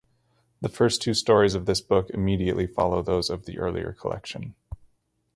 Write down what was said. The first two stories of this Book immediately follow those of the earlier collection.